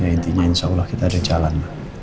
ya intinya insya allah kita ada jalan ya